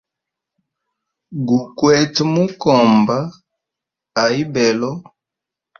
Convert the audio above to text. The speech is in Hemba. Gukwete mukomba a ibelo.